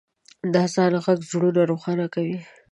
د اذان ږغ زړونه روښانه کوي.